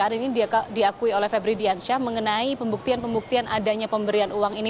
dan ini diakui oleh febri diansyah mengenai pembuktian pembuktian adanya pemberian uang ini